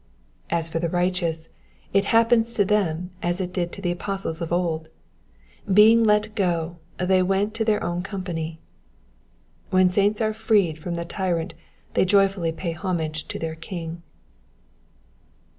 As for the righteous, it happens to them as it did to the apostles of old, Being let go, they went to their own company.*' When saints are freed from the tyrant tliey joyfully pay homage to their king.